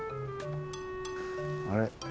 あれ？